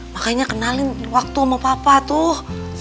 makanya kenalin waktu mau papa tuh